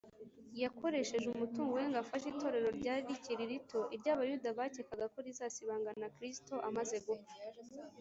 . Yakoresheje umutungo we ngo afashe itorero ryari rikiri rito, iryo Abayuda bakekaga ko rizasibangana Kristo amaze gupfa.